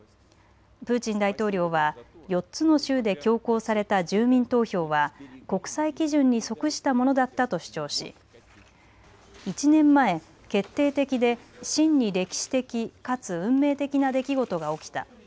プーチン大統領は４つの州で強行された住民投票は国際基準に則したものだったと主張し１年前、決定的で真に歴史的かつ運命的な出来事が起きた。